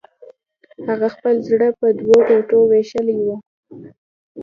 هغه خپل زړه په دوو ټوټو ویشلی و